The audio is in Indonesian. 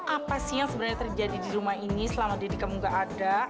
apa sih yang sebenarnya terjadi di rumah ini selama diri kamu gak ada